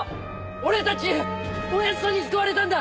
俺たちおやじさんに救われたんだ。